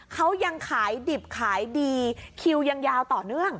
เขายังขายดิบขายดีคิวยังยาวต่อเนื่อง